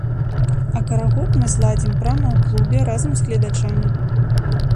А карагод мы зладзім прама ў клубе разам з гледачамі.